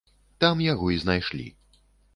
Там яго і знайшлі.